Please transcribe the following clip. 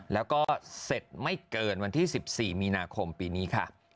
แล้วก็เสร็จไม่เกินวันที่๑๔มีนาคมปีนี้ค่ะ